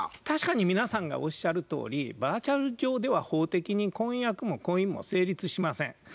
確かに皆さんがおっしゃるとおりバーチャル上では法的に婚約も婚姻も成立しません。